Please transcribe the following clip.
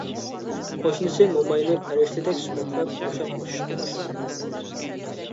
قوشنىسى موماينى پەرىشتىدەك سۈپەتلەپ قوشاق قوشۇشقا باشلىدى.